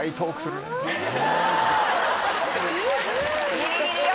ギリギリよ。